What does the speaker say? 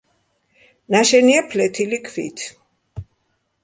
ნაშენია ფლეთილი ქვით.